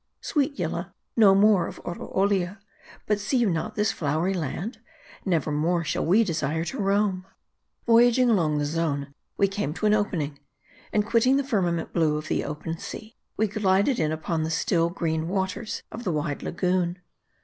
Sweet Yillah, no more of Oroolia ; see you not this flow ery land ? Nevermore shall we desire to roam. MARDT. 191 Voyaging along the zone, we came to an opening ; and quitting the firmament blue of the open sea, we glided in upon the still, green waters of the wide lagoon.